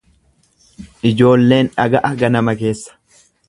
Ijoolleen dhaga'a ganama keessa.